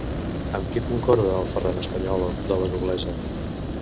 Amb qui concorda el Ferran espanyol de la noblesa?